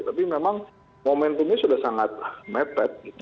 tapi memang momentumnya sudah sangat mepet